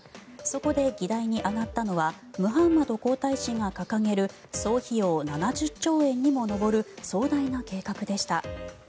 そこで議題に挙がったのはムハンマド皇太子が掲げる総費用７０兆円にも上る壮大な計画でした。